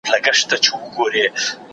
پوهانو خپل ژوند د مسائلو څیړلو ته وقف کړ.